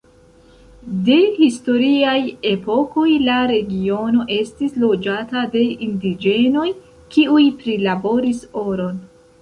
De historiaj epokoj la regiono estis loĝata de indiĝenoj kiuj prilaboris oron.